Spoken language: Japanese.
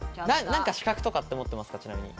何か資格とかって持ってますか？